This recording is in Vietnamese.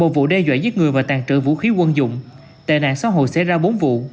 một vụ đe dọa giết người và tàn trữ vũ khí quân dụng tệ nạn xã hội xảy ra bốn vụ